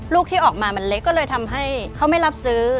ที่ออกมามันเล็กก็เลยทำให้เขาไม่รับซื้อ